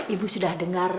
ibu sudah dengar